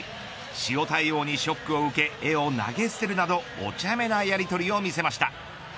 塩対応にショックを受け絵を投げ捨てるなどお茶目なやりとりを見せました。